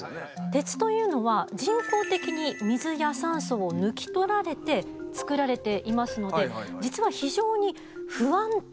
鉄というのは人工的に水や酸素を抜き取られて作られていますので実は非常に不安定な状態なんです。